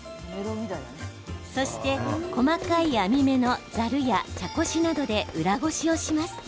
そして、細かい網目のざるや茶こしなどで裏ごしします。